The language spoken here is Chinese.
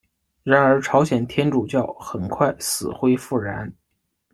然而朝鲜天主教很快死灰复燃。